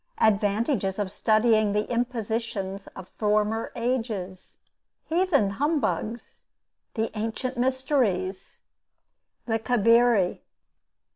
ADVANTAGES OF STUDYING THE IMPOSITIONS OF FORMER AGES. HEATHEN HUMBUGS. THE ANCIENT MYSTERIES. THE CABIRI.